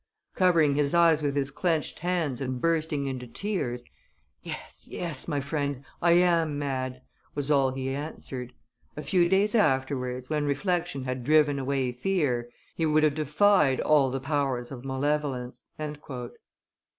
Covering his eyes with his clinched hands and bursting into tears, 'Yes, yes, my friend, I am mad!' was all he answered. A few days afterwards, when reflection had driven away fear, he would have defied all the powers of malevolence."